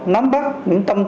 nắm bắt những chuyện này